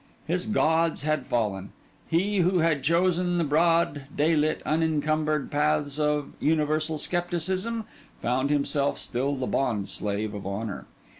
His gods had fallen. He who had chosen the broad, daylit, unencumbered paths of universal scepticism, found himself still the bondslave of honour.